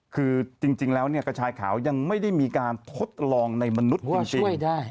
คือจริงแล้วเนี่ยกระชายขาวยังไม่ได้มีการทดลองในมนุษย์จริง